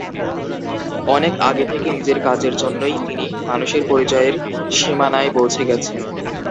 অনেক আগে থেকে নিজের কাজের জন্যই তিনি মানুষের পরিচয়ের সীমানায় পৌঁছে গেছেন।